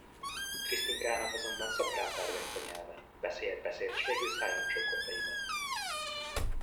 Krisztinkának azonban szaporán pergett a nyelve, beszélt, beszélt, s végül szájon csókolta Ibet.